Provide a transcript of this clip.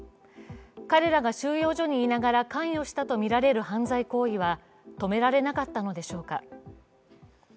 彼らが収容所にいながら関与したとみられる犯罪行為は止められなかったのでしょうか。